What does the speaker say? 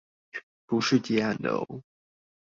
不是接案的喔